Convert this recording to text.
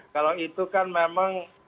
kalau itu kan memang